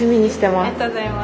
ありがとうございます。